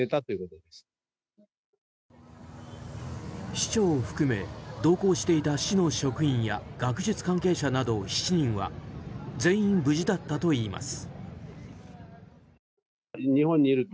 市長を含め同行していた市の職員や学術関係者など７人は全員無事だったといいます。